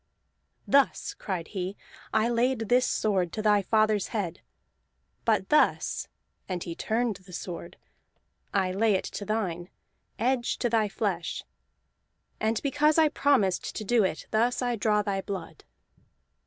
"Thus," cried he, "I laid this sword to thy father's head. But thus" (and he turned the sword) "I lay it to thine, edge to thy flesh. And because I promised to do it, thus I draw thy blood!"